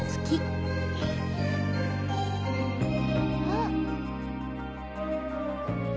あっ。